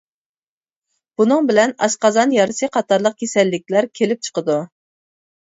بۇنىڭ بىلەن ئاشقازان يارىسى قاتارلىق كېسەللىكلەر كېلىپ چىقىدۇ.